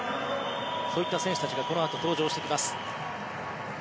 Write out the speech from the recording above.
こういった選手たちがこのあと登場してきます。